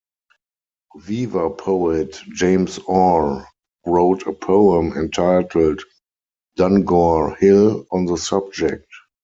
Weaver poet, James Orr wrote a poem entitled "Donegore Hill" on the subject.